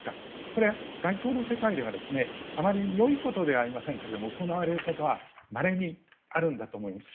これは外交の世界ではあまり良いことではありませんが行われることはまれにあるんだと思います。